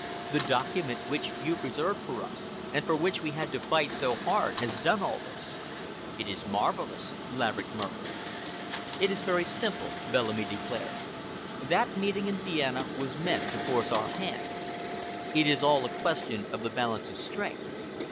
The document which you preserved for us, and for which we had to fight so hard, has done all this." "It is marvelous!" Laverick murmured. "It is very simple," Bellamy declared. "That meeting in Vienna was meant to force our hands. It is all a question of the balance of strength.